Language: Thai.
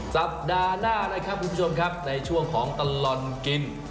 สัปดาห์หน้านะครับคุณผู้ชมครับในช่วงของตลอดกิน